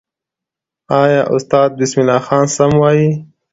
آیا استاد بسم الله خان سم وایي؟